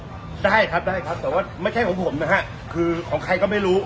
ได้ครับได้ครับแต่ว่าไม่ใช่ของผมนะฮะคือของใครก็ไม่รู้